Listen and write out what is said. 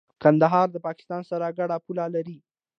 کندهار د پاکستان سره ګډه پوله لري.